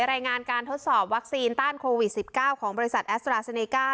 รายงานการทดสอบวัคซีนต้านโควิด๑๙ของบริษัทแอสตราเซเนก้า